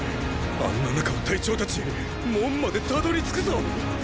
あんな中を隊長たち門までたどり着くぞっ！